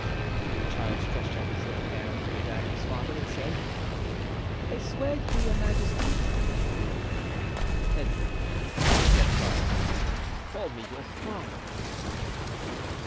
The child stretched out his little hand toward that of his father and said, "I swear to your majesty." "Henry," said Charles, "call me your father."